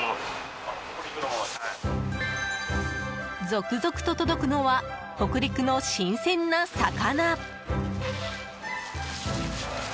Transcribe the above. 続々と届くのは北陸の新鮮な魚！